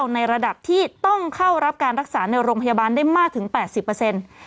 ในระดับที่ต้องเข้ารับการรักษาในโรงพยาบาลได้มากถึง๘๐เปอร์เซ็นต์